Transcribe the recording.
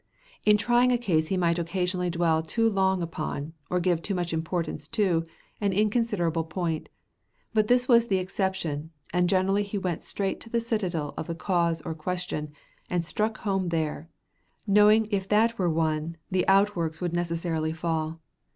In trying a case he might occasionally dwell too long upon, or give too much importance to, an inconsiderable point; but this was the exception, and generally he went straight to the citadel of the cause or question, and struck home there, knowing if that were won the outworks would necessarily fall.